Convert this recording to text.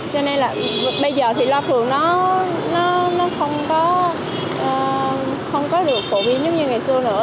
cho nên là bây giờ thì loa phưởng nó không có được phổ biến như ngày xưa nữa